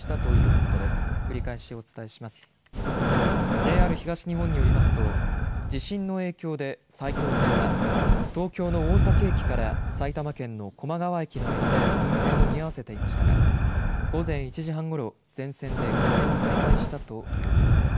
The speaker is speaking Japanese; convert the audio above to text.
ＪＲ東日本によりますと地震の影響で埼京線は東京の大崎駅から埼玉県の高麗川駅の間で運転を見合わせていましたが午前１時半ごろ全線で運転を再開したということです。